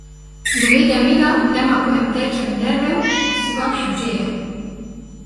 Di vê demê de dema ku em derkevin derve, sîwan hewce ye.